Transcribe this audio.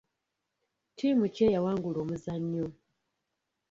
Ttiimu ki eyawangula omuzannyo?